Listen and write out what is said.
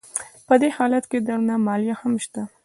په دې حالت کې درنه مالیه هم شته